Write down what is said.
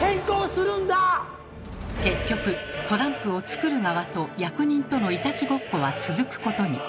結局トランプを作る側と役人とのいたちごっこは続くことに。